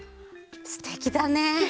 すてきだね！